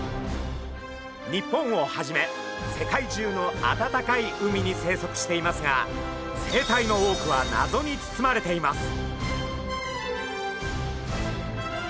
日本をはじめ世界中の暖かい海に生息していますが生態の多くは謎につつまれています。